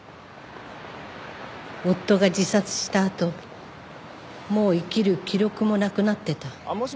夫が自殺したあともう生きる気力もなくなってた。